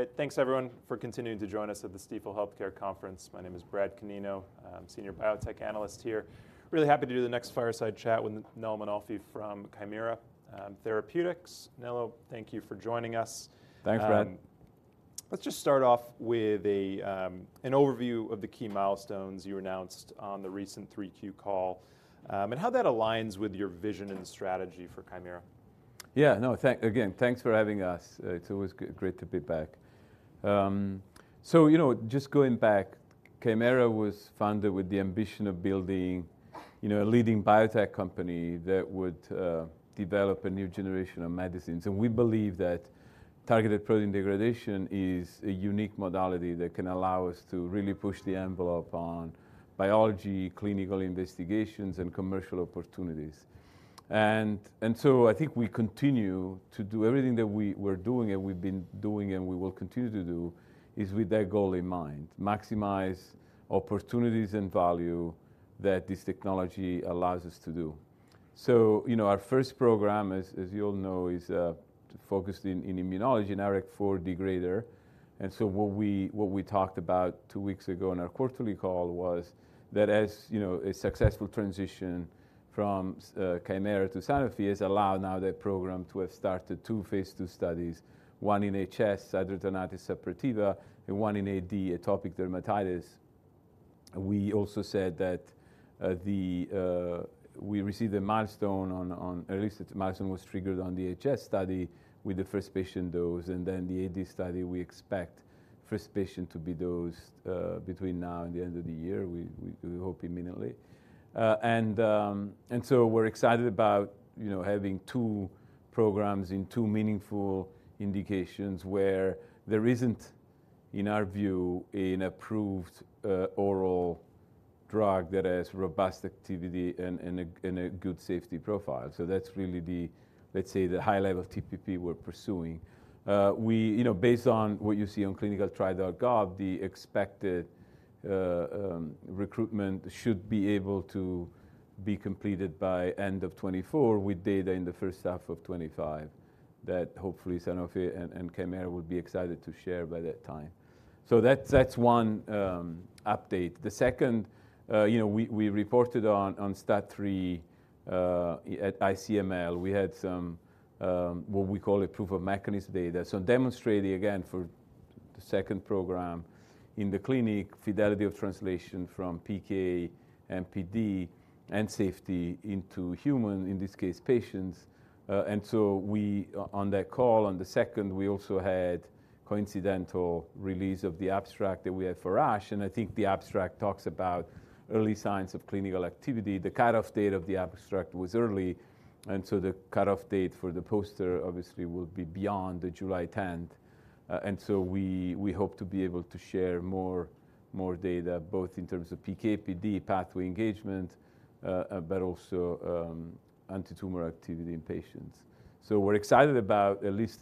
All right. Great. Thanks, everyone, for continuing to join us at the Stifel Healthcare Conference. My name is Brad Canino. I'm Senior Biotech Analyst here. Really happy to do the next fireside chat with Nello Mainolfi from Kymera Therapeutics. Nello, thank you for joining us. Thanks, Brad. Let's just start off with an overview of the key milestones you announced on the recent 3Q call, and how that aligns with your vision and strategy for Kymera. Yeah, Nello. Again, thanks for having us. It's always great to be back. So, you know, just going back, Kymera was founded with the ambition of building, you know, a leading biotech company that would develop a new generation of medicines. And we believe that targeted protein degradation is a unique modality that can allow us to really push the envelope on biology, clinical investigations, and commercial opportunities. And so I think we continue to do everything that we were doing, and we've been doing, and we will continue to do, with that goal in mind: maximize opportunities and value that this technology allows us to do. So, you know, our first program, as you all know, is focused in immunology, an IRAK4 degrader. So what we talked about two weeks ago on our quarterly call was that, you know, a successful transition from Kymera to Sanofi has allowed now that program to have started two Phase II studies, one in HS, hidradenitis suppurativa, and one in AD, atopic dermatitis. We also said that we received a milestone—at least a milestone was triggered on the HS study with the first patient dose, and then the AD study, we expect first patient to be dosed between now and the end of the year. We hope immediately. And so we're excited about, you know, having two programs in two meaningful indications where there isn't, in our view, an approved oral drug that has robust activity and a good safety profile. So that's really the, let's say, the high level of TPP we're pursuing. We, you know, based on what you see on clinicaltrials.gov, the expected recruitment should be able to be completed by end of 2024, with data in the first half of 2025, that hopefully Sanofi and, and Kymera would be excited to share by that time. So that's, that's one, update. The second, you know, we, we reported on, on STAT3, at ICML. We had some, what we call a proof of mechanism data. So demonstrating, again, for the second program in the clinic, fidelity of translation from PK and PD and safety into human, in this case, patients. And so we, on that call, on the second, we also had coincidental release of the abstract that we had for ASH, and I think the abstract talks about early signs of clinical activity. The cutoff date of the abstract was early, and so the cutoff date for the poster obviously will be beyond the July 10th. And so we hope to be able to share more, more data, both in terms of PK, PD, pathway engagement, but also antitumor activity in patients. So we're excited about, at least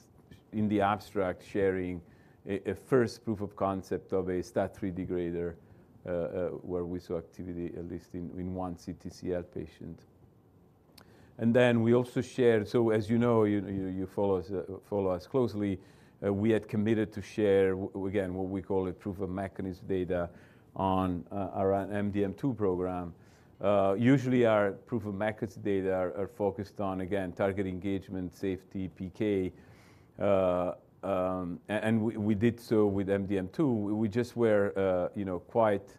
in the abstract, sharing a first proof of concept of a STAT3 degrader, where we saw activity, at least in one CTCL patient. And then we also shared... So as you know, you follow us closely, we had committed to share, again, what we call a proof of mechanism data on our MDM2 program. Usually, our proof of mechanism data are focused on, again, target engagement, safety, PK. And we did so with MDM2. We just were, you know, quite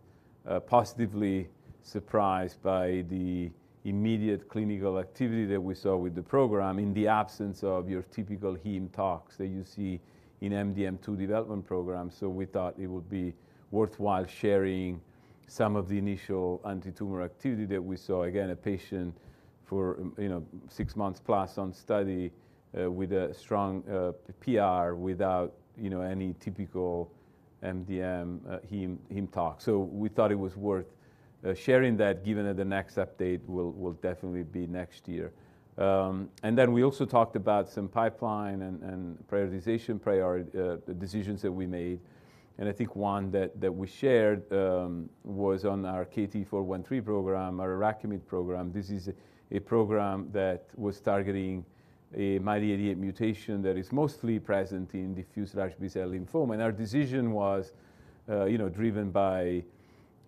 positively surprised by the immediate clinical activity that we saw with the program in the absence of your typical heme tox that you see in MDM2 development programs. So we thought it would be worthwhile sharing some of the initial antitumor activity that we saw. Again, a patient for, you know, six months plus on study, with a strong PR, without, you know, any typical MDM heme tox. So we thought it was worth sharing that, given that the next update will definitely be next year. And then we also talked about some pipeline and prioritization decisions that we made, and I think one that we shared was on our KT-413 program, our IRAKIMiD program. This is a program that was targeting a MYD88 mutation that is mostly present in diffuse large B-cell lymphoma. And our decision was, you know, driven by,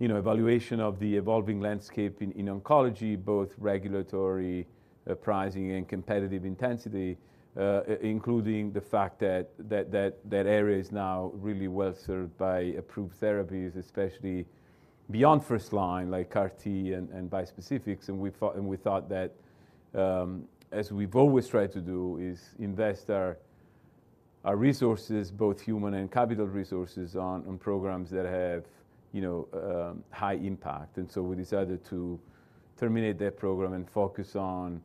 you know, evaluation of the evolving landscape in oncology, both regulatory, pricing, and competitive intensity, including the fact that that area is now really well-served by approved therapies, especially beyond first-line, like CAR T and bispecifics. And we thought that, as we've always tried to do, is invest our resources, both human and capital resources, on programs that have, you know, high impact. And so we decided to terminate that program and focus on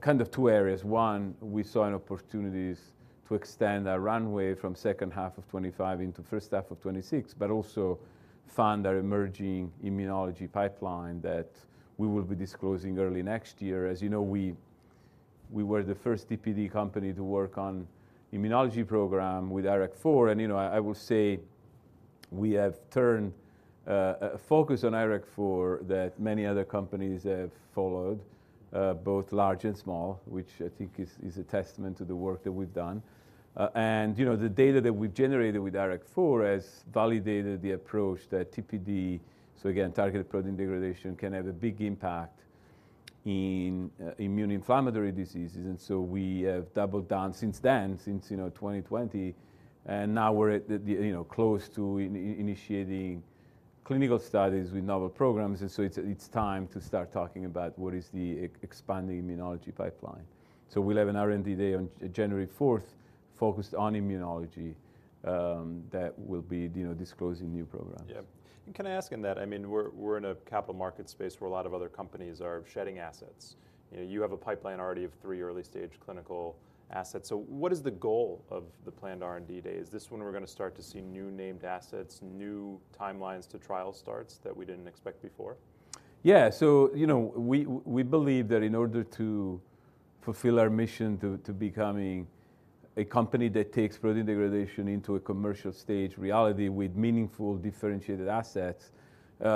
kind of two areas. One, we saw an opportunities to extend our runway from second half of 2025 into first half of 2026, but also fund our emerging immunology pipeline that we will be disclosing early next year. As you know, we were the first TPD company to work on immunology program with IRAK4, and, you know, I will say we have turned a focus on IRAK4 that many other companies have followed, both large and small, which I think is a testament to the work that we've done. And, you know, the data that we've generated with IRAK4 has validated the approach that TPD, so again, targeted protein degradation, can have a big impact in immune inflammatory diseases. And so we have doubled down since then, since, you know, 2020, and now we're at the, the, you know, close to initiating clinical studies with novel programs, and so it's, it's time to start talking about what is the expanding immunology pipeline. So we'll have an R&D Day on January 4th, focused on immunology, that will be, you know, disclosing new programs. Yeah. And can I ask in that? I mean, we're, we're in a capital market space where a lot of other companies are shedding assets. You know, you have a pipeline already of three early-stage clinical assets. So what is the goal of the planned R&D Day? Is this when we're gonna start to see new named assets, new timelines to trial starts that we didn't expect before? Yeah. So, you know, we, we believe that in order to fulfill our mission to, to becoming a company that takes protein degradation into a commercial stage reality with meaningful, differentiated assets,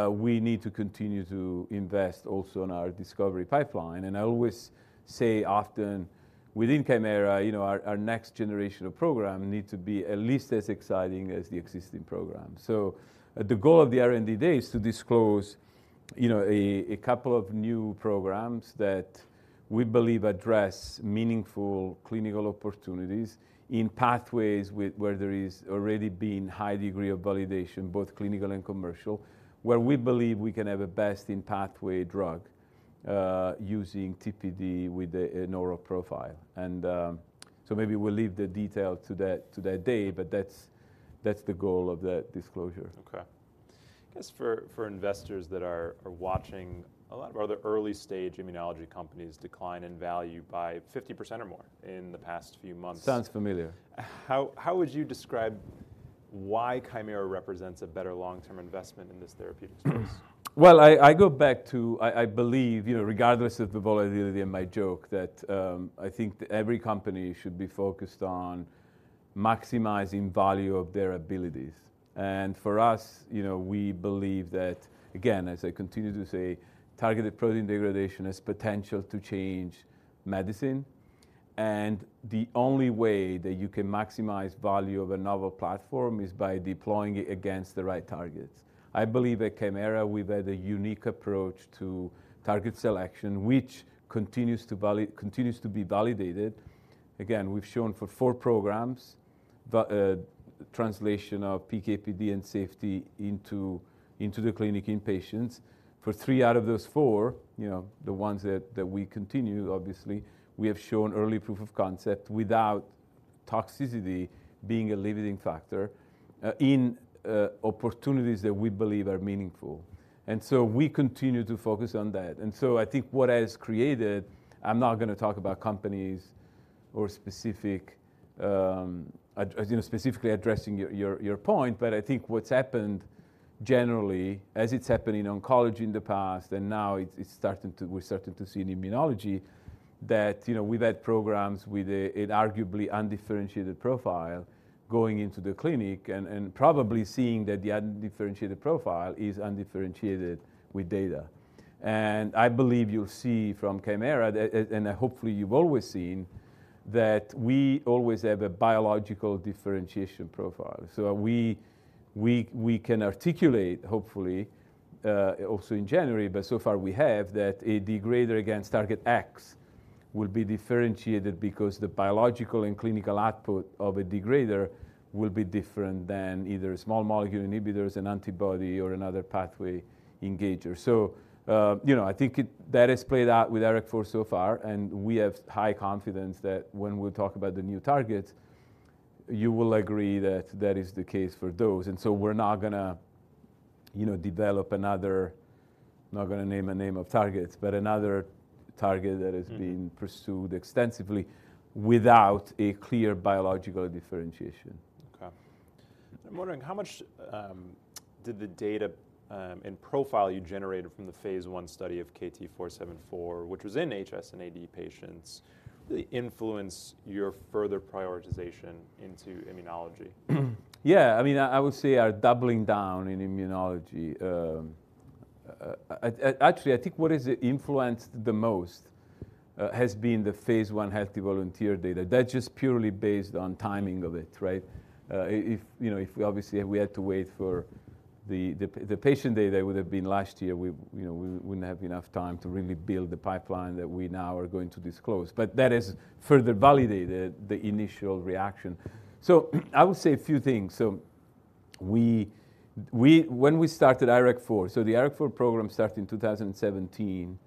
we need to continue to invest also in our discovery pipeline. And I always say often within Kymera, you know, our, our next generational program need to be at least as exciting as the existing program. So, the goal of the R&D Day is to disclose, you know, a, a couple of new programs that we believe address meaningful clinical opportunities in pathways where, where there is already been high degree of validation, both clinical and commercial, where we believe we can have a best-in-pathway drug, using TPD with a, an oral profile. And, so maybe we'll leave the detail to that, to that day, but that's, that's the goal of that disclosure. Okay. I guess for investors that are watching a lot of other early-stage immunology companies decline in value by 50% or more in the past few months- Sounds familiar. How would you describe why Kymera represents a better long-term investment in this therapeutic space? Well, I believe, you know, regardless of the volatility and my joke, that I think every company should be focused on maximizing value of their abilities. And for us, you know, we believe that, again, as I continue to say, targeted protein degradation has potential to change medicine, and the only way that you can maximize value of a novel platform is by deploying it against the right targets. I believe at Kymera, we've had a unique approach to target selection, which continues to be validated. Again, we've shown for four programs translation of PK, PD, and safety into the clinic in patients. For three out of those four, you know, the ones that, that we continue, obviously, we have shown early proof of concept without toxicity being a limiting factor, in, opportunities that we believe are meaningful. And so we continue to focus on that. And so I think what has created, I'm not gonna talk about companies or specific, as, you know, specifically addressing your, your, your point, but I think what's happened generally, as it's happened in oncology in the past and now it's, it's starting to, we're starting to see in immunology, that, you know, we've had programs with a, an arguably undifferentiated profile going into the clinic and, and probably seeing that the undifferentiated profile is undifferentiated with data. And I believe you'll see from Kymera, and, and hopefully, you've always seen, that we always have a biological differentiation profile. So we can articulate, hopefully, also in January, but so far we have that a degrader against target X will be differentiated because the biological and clinical output of a degrader will be different than either small molecule inhibitors and antibody or another pathway engager. So, you know, I think that has played out with IRAK4 so far, and we have high confidence that when we talk about the new targets, you will agree that that is the case for those. And so we're not gonna, you know, develop another... I'm not gonna name a name of targets, but another target that is being- Mm... pursued extensively without a clear biological differentiation. Okay. I'm wondering, how much did the data and profile you generated from the Phase I study of KT-474, which was in HS and AD patients, influence your further prioritization into immunology? Yeah, I mean, I would say our doubling down in immunology, actually, I think what has influenced the most has been the Phase I healthy volunteer data. That's just purely based on timing of it, right? If, you know, if we obviously, we had to wait for the patient data, it would have been last year. You know, we wouldn't have enough time to really build the pipeline that we now are going to disclose. But that has further validated the initial reaction. So I would say a few things. So when we started IRAK4, so the IRAK4 program started in 2017.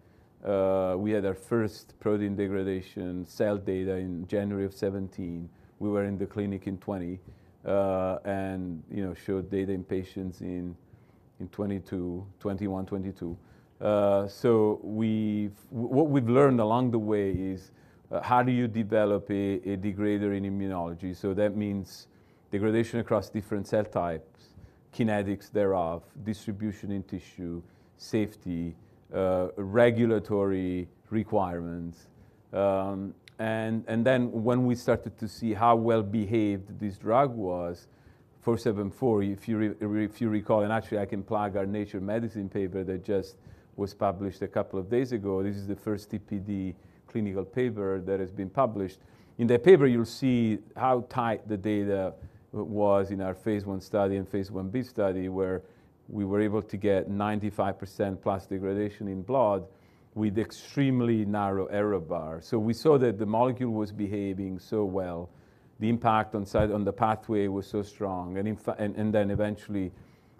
We had our first protein degradation cell data in January of 2017. We were in the clinic in 2020, and, you know, showed data in patients in 2021, 2022. So what we've learned along the way is how do you develop a degrader in immunology? So that means degradation across different cell types, kinetics thereof, distribution in tissue, safety, regulatory requirements. And then when we started to see how well-behaved this drug was, KT-474, if you recall, and actually I can plug our Nature Medicine paper that just was published a couple of days ago. This is the first TPD clinical paper that has been published. In that paper, you'll see how tight the data was in our phase I study and phase Ia study, where we were able to get 95% plus degradation in blood with extremely narrow error bar. So we saw that the molecule was behaving so well, the impact on the pathway was so strong, and in fact, and then eventually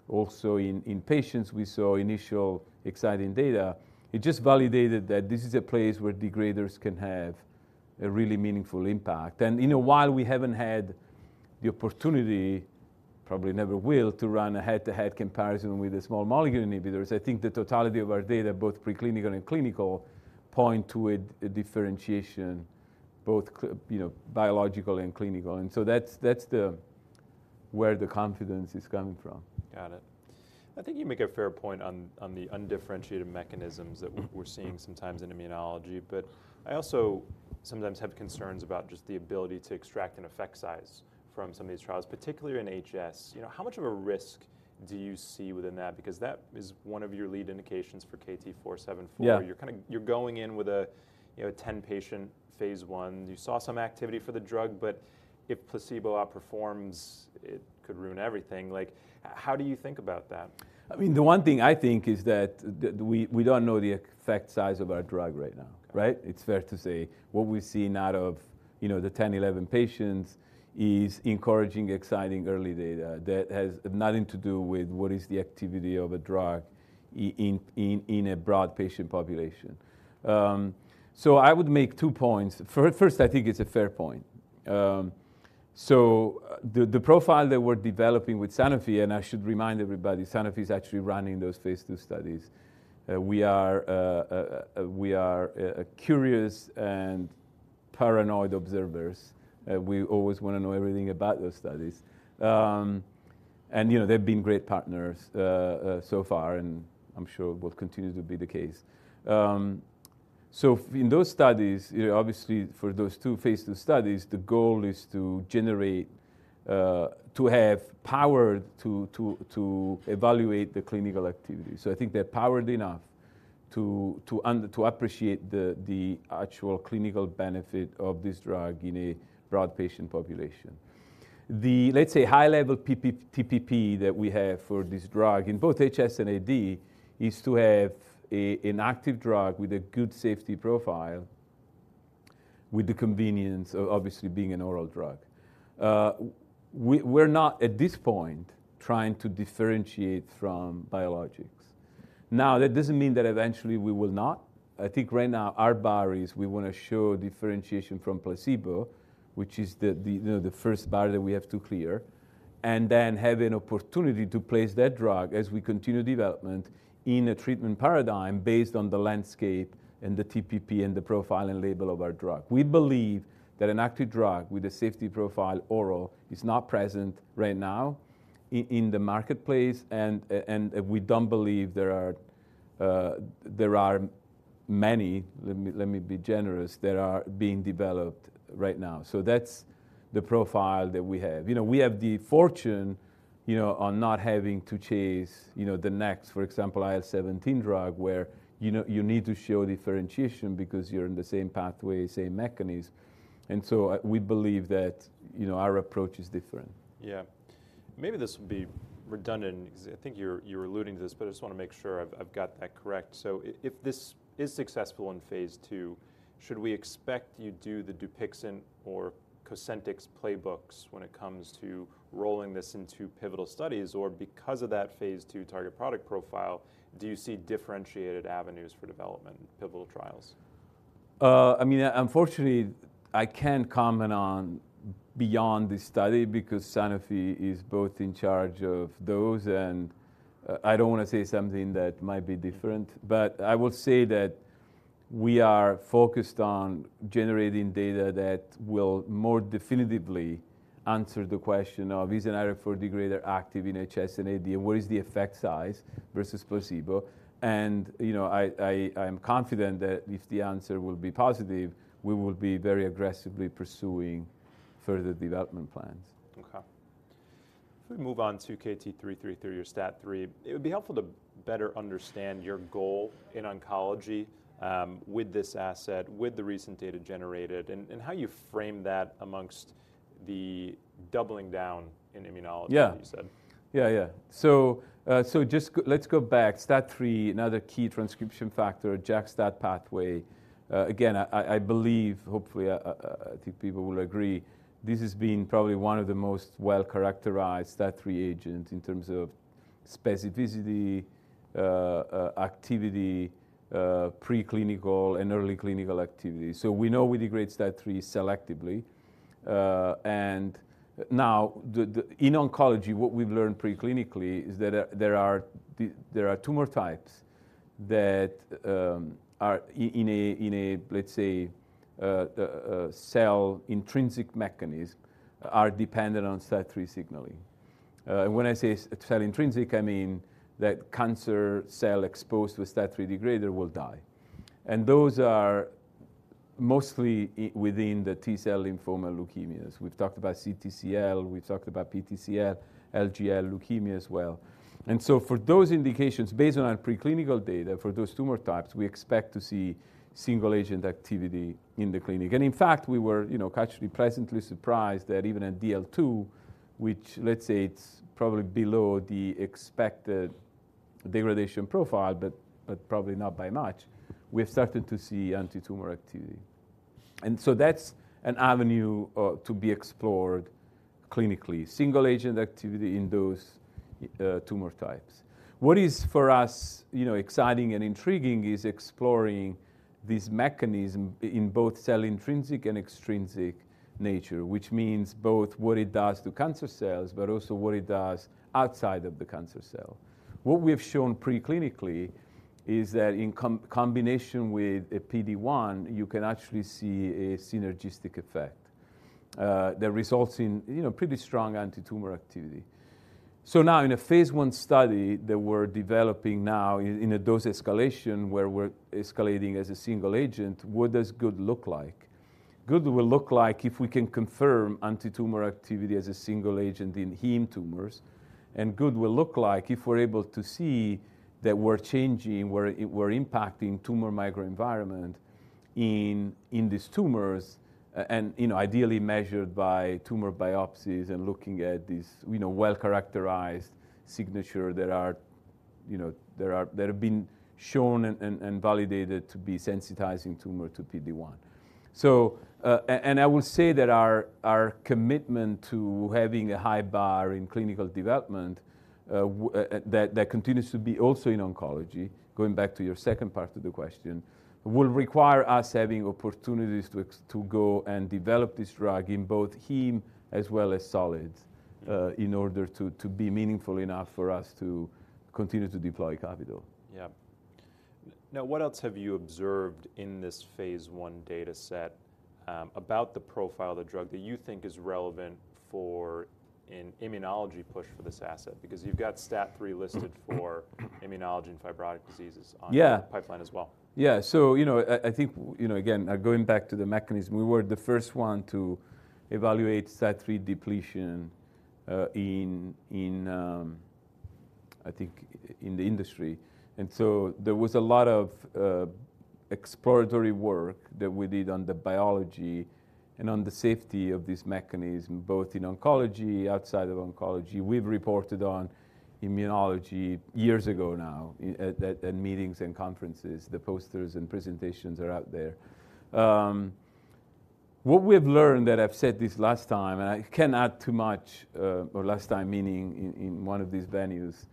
also in patients, we saw initial exciting data. It just validated that this is a place where degraders can have a really meaningful impact. And, you know, while we haven't had the opportunity, probably never will, to run a head-to-head comparison with small molecule inhibitors, I think the totality of our data, both preclinical and clinical, point to a differentiation, both, you know, biological and clinical. And so that's where the confidence is coming from. Got it. I think you make a fair point on the undifferentiated mechanisms that- Mm-hmm... we're seeing sometimes in immunology, but I also sometimes have concerns about just the ability to extract an effect size from some of these trials, particularly in HS. You know, how much of a risk do you see within that? Because that is one of your lead indications for KT-474. Yeah. You're kinda going in with a, you know, a 10-patient Phase I. You saw some activity for the drug, but if placebo outperforms, it could ruin everything. Like, how do you think about that? I mean, the one thing I think is that we don't know the effect size of our drug right now, right? It's fair to say what we see out of, you know, the 10 patients-11 patients is encouraging, exciting early data that has nothing to do with what is the activity of a drug in a broad patient population. So I would make two points. First, I think it's a fair point. So, the profile that we're developing with Sanofi, and I should remind everybody, Sanofi is actually running those Phase II studies. We are curious and paranoid observers, we always wanna know everything about those studies. And, you know, they've been great partners so far, and I'm sure will continue to be the case. So in those studies, you know, obviously for those two Phase II studies, the goal is to have power to evaluate the clinical activity. So I think they're powered enough to appreciate the actual clinical benefit of this drug in a broad patient population. Let's say, high-level TPP that we have for this drug in both HS and AD is to have an active drug with a good safety profile, with the convenience of obviously being an oral drug. We're not, at this point, trying to differentiate from biologics. Now, that doesn't mean that eventually we will not. I think right now, our bar is we wanna show differentiation from placebo, which is the, you know, the first bar that we have to clear, and then have an opportunity to place that drug as we continue development in a treatment paradigm based on the landscape and the TPP, and the profile and label of our drug. We believe that an active drug with a safety profile, oral, is not present right now in the marketplace, and we don't believe there are many, let me be generous, that are being developed right now. So that's the profile that we have. You know, we have the fortune, you know, on not having to chase, you know, the next, for example, IL-17 drug, where, you know, you need to show differentiation because you're in the same pathway, same mechanism. We believe that, you know, our approach is different. Yeah. Maybe this would be redundant because I think you're, you're alluding to this, but I just wanna make sure I've, I've got that correct. So if this is successful in Phase II, should we expect you do the Dupixent or Cosentyx playbooks when it comes to rolling this into pivotal studies, or because of that Phase II target product profile, do you see differentiated avenues for development in pivotal trials? I mean, unfortunately, I can't comment on beyond this study because Sanofi is both in charge of those, and I don't wanna say something that might be different. But I will say that we are focused on generating data that will more definitively answer the question of: Is an IRAK4 degrader active in HS and AD, and what is the effect size versus placebo? And, you know, I, I'm confident that if the answer will be positive, we will be very aggressively pursuing further development plans. Okay. If we move on to KT-333 or STAT3, it would be helpful to better understand your goal in oncology, with this asset, with the recent data generated, and, and how you frame that amongst the doubling down in immunology- Yeah... like you said. Yeah, yeah. So, so just let's go back. STAT3, another key transcription factor, JAK-STAT pathway. Again, I, I believe, hopefully, I think people will agree, this has been probably one of the most well-characterized STAT3 agent in terms of specificity, activity, preclinical and early clinical activity. So we know it degrades STAT3 selectively. And now, in oncology, what we've learned preclinically is that there are tumor types that are in a, in a, let's say, a cell-intrinsic mechanism, are dependent on STAT3 signaling. And when I say cell-intrinsic, I mean that cancer cell exposed with STAT3 degrader will die. And those are mostly within the T-cell lymphoma leukemias. We've talked about CTCL, we've talked about PTCL, LGL leukemia as well. And so for those indications, based on our preclinical data for those tumor types, we expect to see single agent activity in the clinic. And in fact, we were, you know, actually pleasantly surprised that even at DL2, which let's say it's probably below the expected degradation profile, but probably not by much, we have started to see antitumor activity. And so that's an avenue to be explored clinically. Single agent activity in those tumor types. What is for us, you know, exciting and intriguing is exploring this mechanism in both cell intrinsic and extrinsic nature, which means both what it does to cancer cells, but also what it does outside of the cancer cell. What we have shown preclinically is that in combination with a PD-1, you can actually see a synergistic effect that results in, you know, pretty strong antitumor activity. Now in a Phase I study that we're developing now in a dose escalation, where we're escalating as a single agent, what does good look like? Good will look like if we can confirm antitumor activity as a single agent in heme tumors, and good will look like if we're able to see that we're changing, we're impacting tumor microenvironment in these tumors, and, you know, ideally measured by tumor biopsies and looking at these, you know, well-characterized signature that are that have been shown and validated to be sensitizing tumor to PD-1. So, and I will say that our commitment to having a high bar in clinical development, that continues to be also in oncology, going back to your second part of the question, will require us having opportunities to go and develop this drug in both heme as well as solid, in order to be meaningful enough for us to continue to deploy capital. Yeah. Now, what else have you observed in this Phase I data set about the profile of the drug that you think is relevant for an immunology push for this asset? Because you've got STAT3 listed for immunology and fibrotic diseases on- Yeah... the pipeline as well. Yeah. So, you know, I, I think, you know, again, going back to the mechanism, we were the first one to evaluate STAT3 depletion in the industry. And so there was a lot of exploratory work that we did on the biology and on the safety of this mechanism, both in oncology, outside of oncology. We've reported on immunology years ago now at meetings and conferences. The posters and presentations are out there. What we have learned, that I've said this last time, and I cannot add too much, or last time, meaning in one of these venues,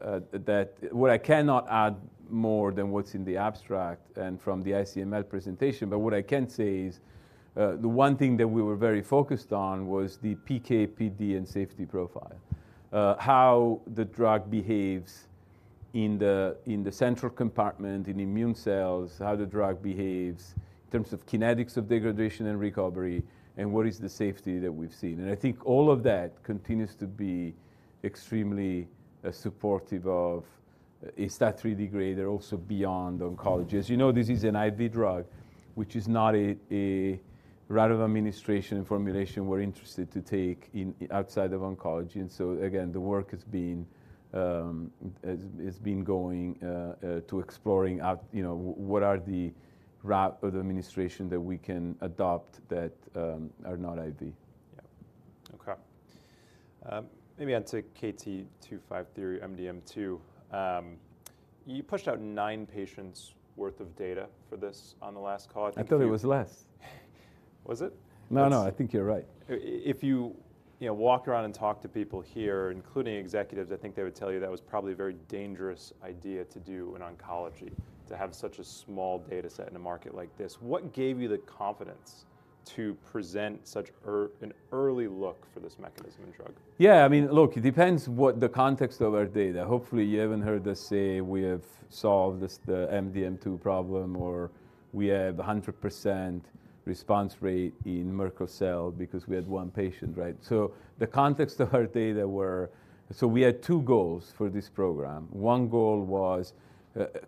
that... What I cannot add more than what's in the abstract and from the ICML presentation, but what I can say is, the one thing that we were very focused on was the PK/PD and safety profile. How the drug behaves in the central compartment, in immune cells, how the drug behaves in terms of kinetics of degradation and recovery, and what is the safety that we've seen? And I think all of that continues to be extremely supportive of a STAT3 degrader, also beyond oncology. As you know, this is an IV drug, which is not a route of administration and formulation we're interested to take in outside of oncology. And so again, the work has been going to exploring out, you know, what are the route of administration that we can adopt that are not IV? Yeah. Okay. Maybe on to KT-253 MDM2. You pushed out nine patients' worth of data for this on the last call. I think you- I thought it was less. Was it? No, no, I think you're right. If you, you know, walk around and talk to people here, including executives, I think they would tell you that was probably a very dangerous idea to do in oncology, to have such a small data set in a market like this. What gave you the confidence to present such an early look for this mechanism and drug? Yeah, I mean, look, it depends what the context of our data. Hopefully, you haven't heard us say we have solved this, the MDM2 problem, or we have a 100% response rate in Merkel cell because we had one patient, right? So the context of our data were. So we had two goals for this program. One goal was,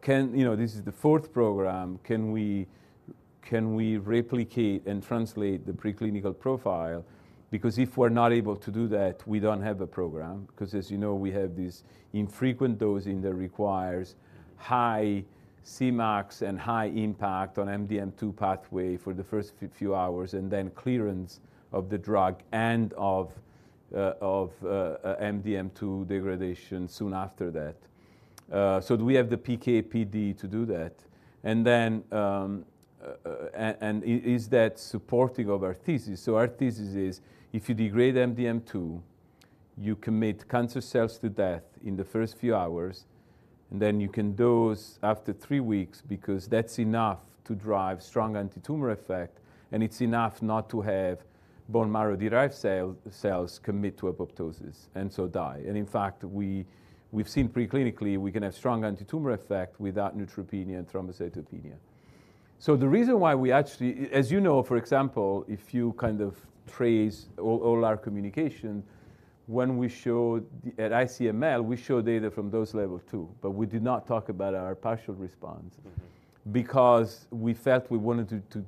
can. You know, this is the fourth program, can we, can we replicate and translate the preclinical profile? Because if we're not able to do that, we don't have a program, because, as you know, we have this infrequent dosing that requires high Cmax and high impact on MDM2 pathway for the first few hours, and then clearance of the drug and of, of, MDM2 degradation soon after that. So do we have the PK/PD to do that? Is that supporting of our thesis? So our thesis is, if you degrade MDM2, you commit cancer cells to death in the first few hours, and then you can dose after three weeks because that's enough to drive strong antitumor effect, and it's enough not to have bone marrow-derived cells, cells commit to apoptosis, and so die. And in fact, we've seen preclinically, we can have strong antitumor effect without neutropenia and thrombocytopenia. So the reason why we actually, as you know, for example, if you kind of trace all our communication, when we showed at ICML, we showed data from those levels, too, but we did not talk about our partial response. Mm-hmm. Because we felt we wanted to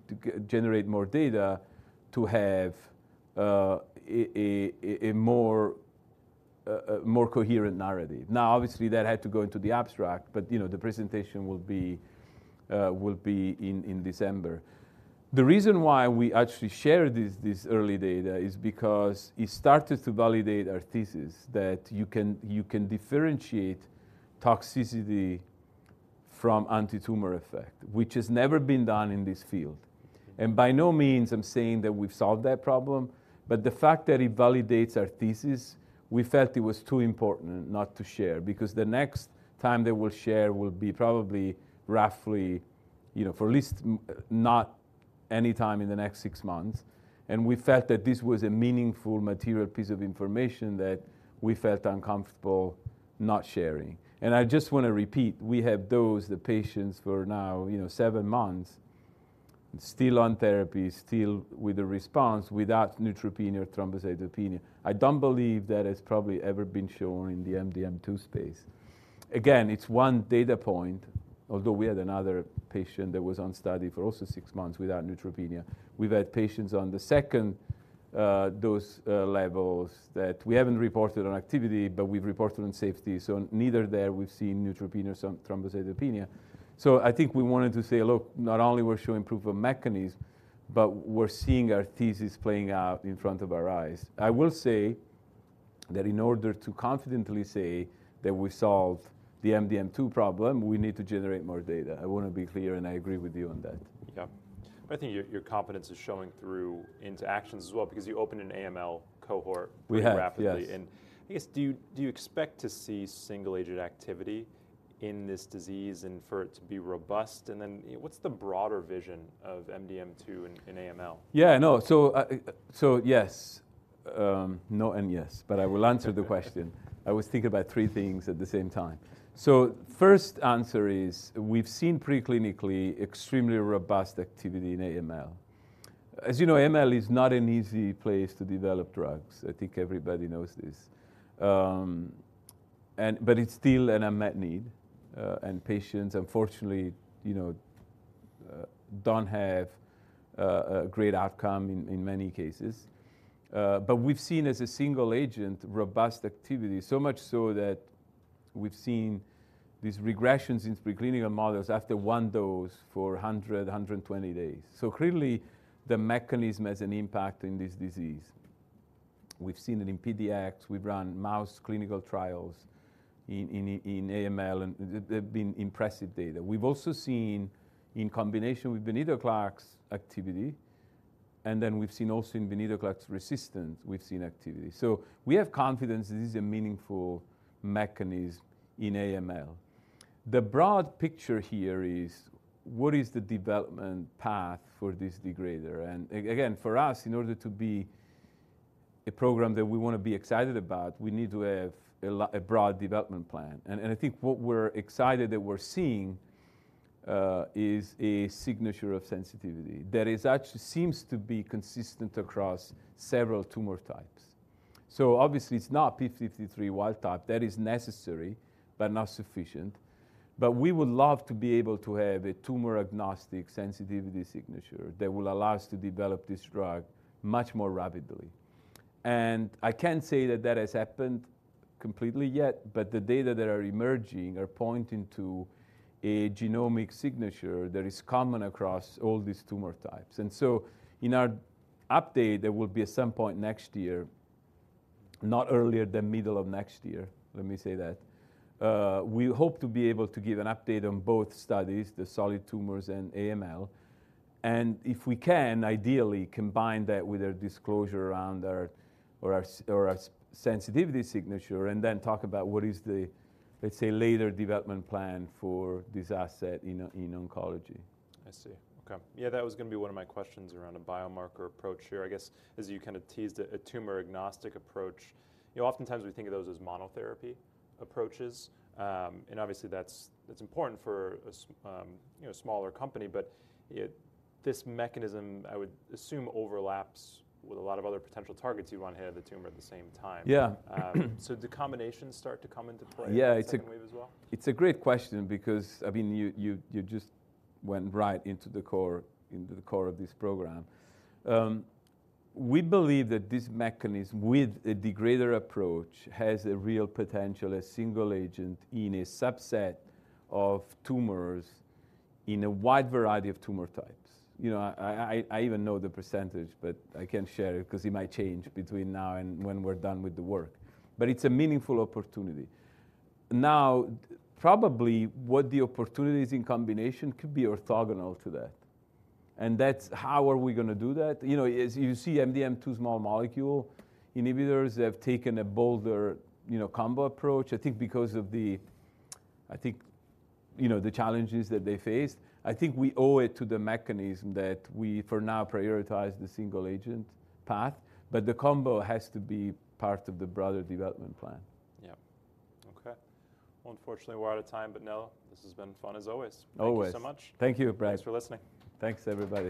generate more data to have a more coherent narrative. Now, obviously, that had to go into the abstract, but, you know, the presentation will be in December. The reason why we actually shared this early data is because it started to validate our thesis that you can differentiate toxicity from anti-tumor effect, which has never been done in this field. Mm-hmm. By no means I'm saying that we've solved that problem, but the fact that it validates our thesis, we felt it was too important not to share. Because the next time that we'll share will be probably roughly, you know, for at least not any time in the next six months, and we felt that this was a meaningful material piece of information that we felt uncomfortable not sharing. And I just want to repeat, we have those, the patients, who are now, you know, seven months, still on therapy, still with a response, without neutropenia or thrombocytopenia. I don't believe that has probably ever been shown in the MDM2 space. Again, it's one data point, although we had another patient that was on study for also six months without neutropenia. We've had patients on the second dose levels that we haven't reported on activity, but we've reported on safety, so neither there we've seen neutropenia or some thrombocytopenia. So I think we wanted to say, "Look, not only we're showing proof of mechanism, but we're seeing our thesis playing out in front of our eyes." I will say that in order to confidently say that we solved the MDM2 problem, we need to generate more data. I want to be clear, and I agree with you on that. Yeah. I think your, your confidence is showing through into actions as well, because you opened an AML cohort- We have, yes.... pretty rapidly. I guess, do you expect to see single-agent activity in this disease and for it to be robust? And then, what's the broader vision of MDM2 in AML? Yeah, I know. So, yes. No and yes, but I will answer the question. I was thinking about three things at the same time. So first answer is, we've seen preclinically extremely robust activity in AML. As you know, AML is not an easy place to develop drugs. I think everybody knows this. But it's still an unmet need, and patients unfortunately, you know, don't have a great outcome in many cases. But we've seen, as a single agent, robust activity, so much so that we've seen these regressions in preclinical models after one dose for 120 days. So clearly, the mechanism has an impact in this disease. We've seen it in PDX. We've run mouse clinical trials in AML, and they've been impressive data. We've also seen in combination with venetoclax activity, and then we've seen also in venetoclax resistance, we've seen activity. So we have confidence this is a meaningful mechanism in AML. The broad picture here is: What is the development path for this degrader? And again, for us, in order to be a program that we want to be excited about, we need to have a broad development plan. And I think what we're excited that we're seeing is a signature of sensitivity that actually seems to be consistent across several tumor types. So obviously, it's not P53 wild type. That is necessary, but not sufficient. But we would love to be able to have a tumor-agnostic sensitivity signature that will allow us to develop this drug much more rapidly. And I can't say that that has happened completely yet, but the data that are emerging are pointing to a genomic signature that is common across all these tumor types. And so in our update, there will be at some point next year, not earlier than middle of next year, let me say that, we hope to be able to give an update on both studies, the solid tumors and AML, and if we can, ideally combine that with a disclosure around our sensitivity signature, and then talk about what is the, let's say, later development plan for this asset in oncology. I see. Okay. Yeah, that was gonna be one of my questions around a biomarker approach here. I guess, as you kind of teased a tumor-agnostic approach, you know, oftentimes we think of those as monotherapy approaches. And obviously, that's important for a smaller company, but this mechanism, I would assume, overlaps with a lot of other potential targets you want to hit the tumor at the same time. Yeah. So, do combinations start to come into play? Yeah, it's. -as well? It's a great question because, I mean, you just went right into the core of this program. We believe that this mechanism with a degrader approach has a real potential, a single agent in a subset of tumors, in a wide variety of tumor types. You know, I even know the percentage, but I can't share it because it might change between now and when we're done with the work, but it's a meaningful opportunity. Now, probably, what the opportunities in combination could be orthogonal to that, and that's how are we gonna do that? You know, as you see, MDM2 small molecule inhibitors have taken a bolder, you know, combo approach. I think because of the challenges that they faced. I think we owe it to the mechanism that we, for now, prioritize the single agent path, but the combo has to be part of the broader development plan. Yeah. Okay. Unfortunately, we're out of time, but Nello, this has been fun, as always. Always. Thank you so much. Thank you, Brad. Thanks for listening. Thanks, everybody.